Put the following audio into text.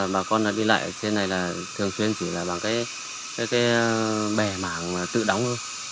bà con đã đi lại trên này là thường xuyên chỉ là bằng cái bè mảng tự đóng thôi